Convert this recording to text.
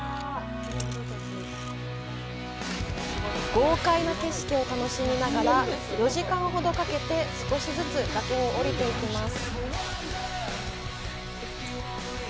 豪快な景色を楽しみながら４時間ほどかけて少しずつ崖を下りていきます。